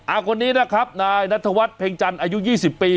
อ่าวคนนี้นะครับนายนัทวัฒน์เพ็งจันทร์อายุ๒๐ปี